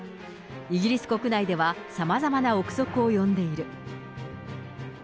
イギリス国内ではさまざまな臆測を呼んでいる。